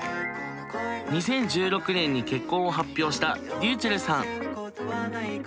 ２０１６年に結婚を発表したｒｙｕｃｈｅｌｌさん。